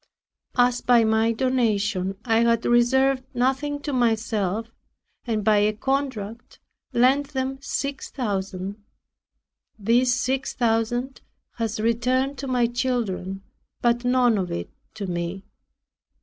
As by my donation I had reserved nothing to myself and by a contract lent them six thousand; this six thousand has returned to my children but none of it to me.